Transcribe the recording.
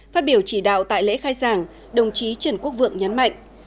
phát biểu chỉ đạo tại lễ khai giảng đồng chí trần quốc vượng nhấn mạnh